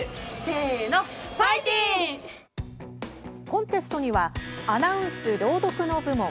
コンテストにはアナウンス・朗読の部門。